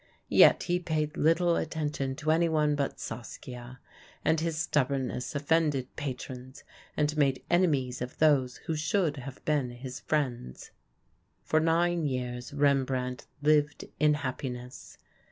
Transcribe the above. Yet he paid little attention to anyone but Saskia; and his stubbornness offended patrons and made enemies of those who should have been his friends. For nine years Rembrandt lived in happiness.